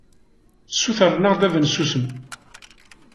Ssutren-aɣ-d ad nsusem.